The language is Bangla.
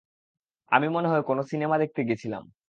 আমি মনে হয় কোনো সিনেমা নিতে গেছিলাম।